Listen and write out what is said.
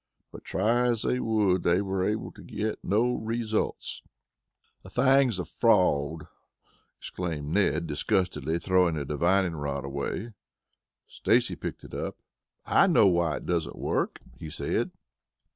But, try as they would, they were able to get no results. "The thing's a fraud!" exclaimed Ned disgustedly, throwing the divining rod away. Stacy picked it up. "I know why it doesn't work," he said.